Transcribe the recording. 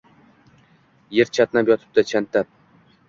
Yer chatnab yotibdi, chatnab!